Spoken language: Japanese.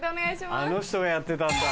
あの人がやってたんだ。